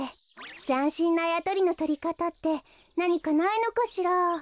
ざんしんなあやとりのとりかたってなにかないのかしら？